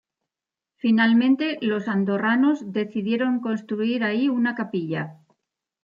Finalmente, los andorranos decidieron construir ahí una capilla.